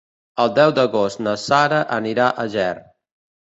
El deu d'agost na Sara anirà a Ger.